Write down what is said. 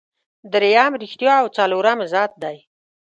دریم ریښتیا او څلورم عزت دی.